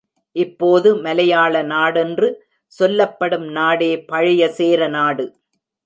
இப்போது மலையாள நாடென்று சொல்லப்படும் நாடே பழைய சேரநாடு.